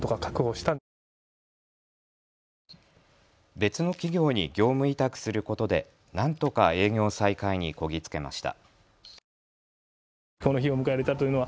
別の企業に業務委託することでなんとか営業再開にこぎ着けました。